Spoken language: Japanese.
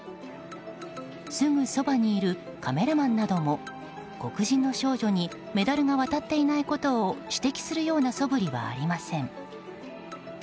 すぐそばにいるカメラマンなども黒人の少女にメダルが渡っていないことを指摘するようなそぶりはありません。